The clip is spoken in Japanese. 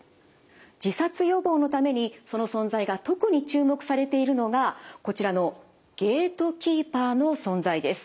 自殺予防のためにその存在が特に注目されているのがこちらのゲートキーパーの存在です。